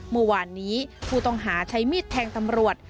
เมื่อวานนี้ผู้ต้องหาใช้มีดแทงตำรวจ